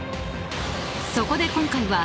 ［そこで今回は］